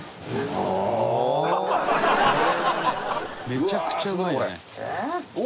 めちゃくちゃうまいよね」